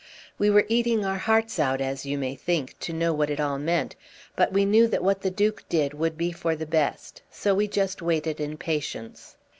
We were eating our hearts out, as you may think, to know what it all meant, but we knew that what the Duke did would be for the best, so we just waited in patience.